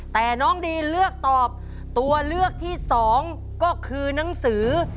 แต่น้องดีนเลือกตอบตัวเลือกที่๒ก็คือหนังสือ